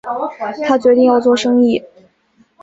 他决定要做生意